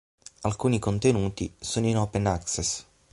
Alcuni contenuti sono in open access.